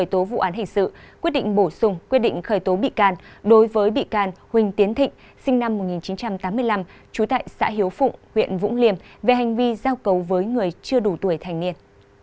thịnh sinh năm một nghìn chín trăm tám mươi năm trú tại xã hiếu phụng huyện vũng liêm về hành vi giao cấu với người chưa đủ tuổi thành niên